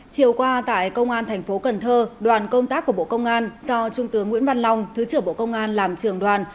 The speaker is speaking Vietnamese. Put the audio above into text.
chiều qua tại công an thành phố cần thơ đoàn công tác của bộ công an do trung tướng nguyễn văn long thứ trưởng bộ công an làm trường đoàn